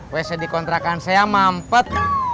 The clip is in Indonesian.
wc dikontrakan saya mampet